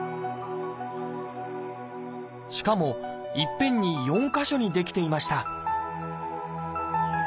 しかもいっぺんに４か所に出来ていました